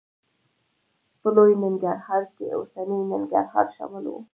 په لوی ننګرهار کې اوسنی ننګرهار شامل و.